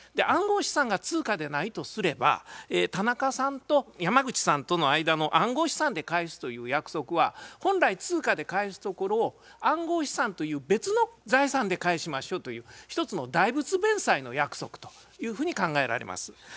暗号資産が通貨でないとすれば田中さんと山口さんとの間の「暗号資産で返す」という約束は本来通貨で返すところを暗号資産という別の財産で返しましょうというひとつの代物弁済の約束というふうに考えられます。